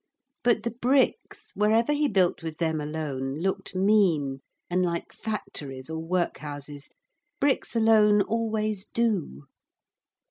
But the bricks, wherever he built with them alone, looked mean, and like factories or workhouses. Bricks alone always do.